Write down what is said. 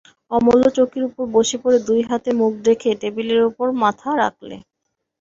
অমূল্য চৌকির উপর বসে পড়ে দুই হাতে মুখ ঢেকে টেবিলের উপর মাথা রাখলে।